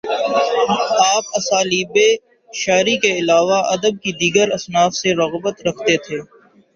آپ اسالیبِ شعری کے علاوہ ادب کی دیگر اصناف سے رغبت رکھتے ہیں